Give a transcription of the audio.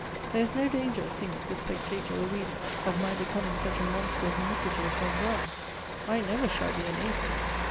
There is no danger (thinks the spectator or reader) of my becoming such a monster of iniquity as Don Juan! I never shall be an atheist!